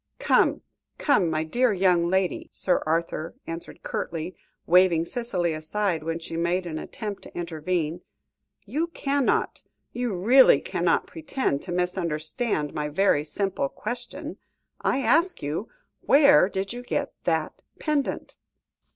"Come, come, my dear young lady," Sir Arthur answered curtly, waving Cicely aside, when she made an attempt to intervene. "You cannot you really cannot, pretend to misunderstand my very simple question. I asked you where did you get that pendant?"